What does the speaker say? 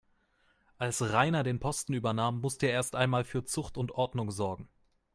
Als Rainer den Posten übernahm, musste er erst einmal für Zucht und Ordnung sorgen.